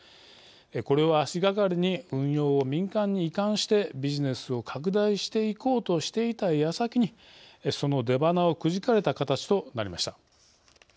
これを足がかりに運用を民間に移管してビジネスを拡大していこうとしていたやさきにその出ばなをくじかれた形となりました。